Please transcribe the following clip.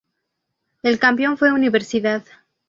El campeón fue Universidad.